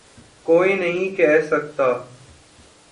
کوئی نہیں کہہ سکتا۔